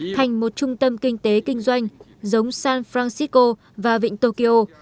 thành một trung tâm kinh tế kinh doanh giống san francisco và vịnh tokyo